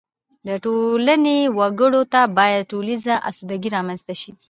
د ټولنې وګړو ته باید ټولیزه اسودګي رامنځته شي.